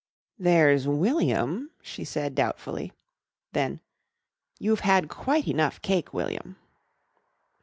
"There's William," she said doubtfully. Then, "You've had quite enough cake, William."